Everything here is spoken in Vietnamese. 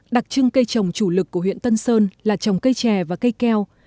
đặc trưng cây trồng chủ lực của huyện tân sơn là trồng cây trè và cây keo